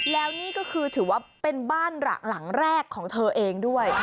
แล้วนี่ก็คือถือว่าเป็นบ้านหลังแรกของเธอเองด้วย